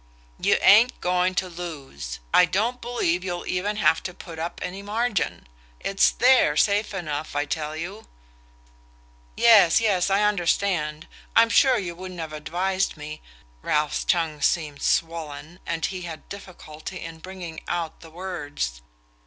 "You ain't going to lose: I don't believe you'll even have to put up any margin. It's THERE safe enough, I tell you..." "Yes, yes; I understand. I'm sure you wouldn't have advised me " Ralph's tongue seemed swollen, and he had difficulty in bringing out the words.